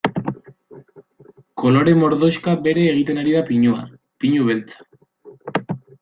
Kolore mordoxka bere egiten ari da pinua, pinu beltza.